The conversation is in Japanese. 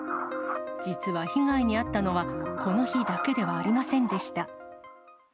実は被害に遭ったのは、この日だけではありませんでした。